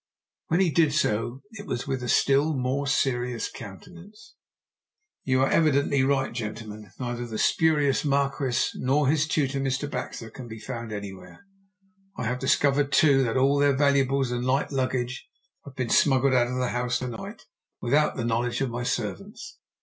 When he did so it was with a still more serious countenance. "You are evidently right, gentlemen. Neither the spurious marquis, nor his tutor, Mr. Baxter, can be found anywhere. I have discovered, too, that all their valuables and light luggage have been smuggled out of the house to night without the knowledge of my servants.